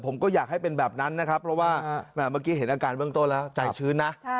ผมก็อยากให้เป็นแบบนั้นนะครับเพราะว่าเมื่อกี้เห็นอาการเบื้องต้นแล้วใจชื้นนะ